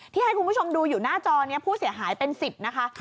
ให้คุณผู้ชมดูอยู่หน้าจอนี้ผู้เสียหายเป็น๑๐นะคะ